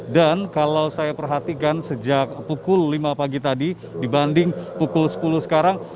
dan kalau saya perhatikan sejak pukul lima pagi tadi dibanding pukul sepuluh sekarang